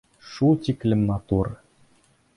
Шул тиклем матур.